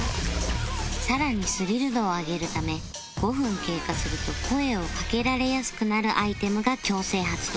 更にスリル度を上げるため５分経過すると声をかけられやすくなるアイテムが強制発動